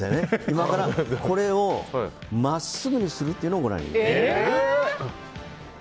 今からこれを真っすぐにするっていうのをえ！